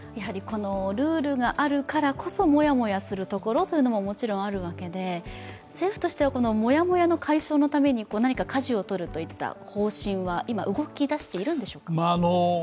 このルールがあるからこそもやもやするところももちろんあるわけで、政府としてはこのもやもやの解消のためになにか舵を取るといった方針は今動きだしでいるんでしょうか。